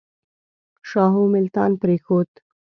شاهو ملتان پرېښود.